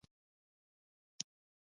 مصنوعي ځیرکتیا د فلسفي فکر پراخوالی زیاتوي.